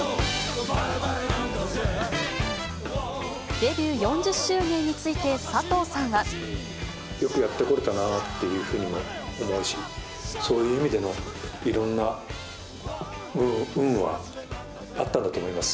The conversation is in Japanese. デビュー４０周年について佐藤さんは。よくやってこれたなっていうふうにも思うし、そういう意味でのいろんな運はあったんだと思います。